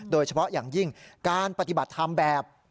โดยเฉพาะอย่างยิ่งการปฏิบัติธรรมแบบ